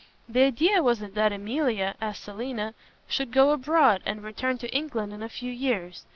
"The idea was that Emilia, as Selina, should go abroad and return to England in a few years.